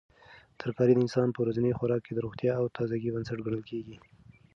ترکاري د انسان په ورځني خوراک کې د روغتیا او تازګۍ بنسټ ګڼل کیږي.